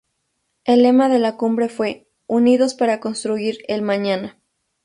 El lema de la cumbre fue "Unidos para construir el mañana".